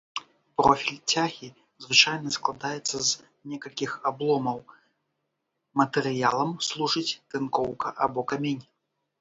Профіль цягі звычайна складаецца з некалькіх абломаў, матэрыялам служыць тынкоўка або камень.